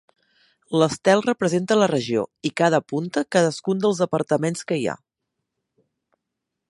L'estel representa la regió i cada punta cadascun dels departaments que hi ha.